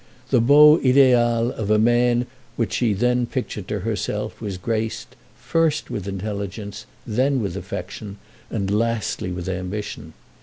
The beau ideal of a man which she then pictured to herself was graced, first with intelligence, then with affection, and lastly with ambition.